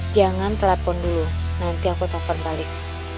jangan telfon dulu nanti aku telfon balik